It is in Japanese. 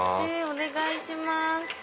お願いします。